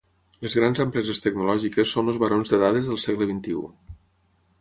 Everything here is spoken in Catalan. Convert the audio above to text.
Les grans empreses tecnològiques són els barons de dades del segle vint-i-u.